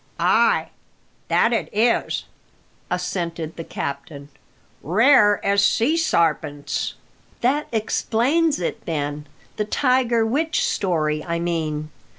"Ay, that it is," assented the captain; "rare as sea sarpents." "That explains it, then: the tiger witch story, I mean.